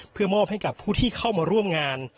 เพื่อมอบให้กับผู้ที่เข้ามาร่วมงาน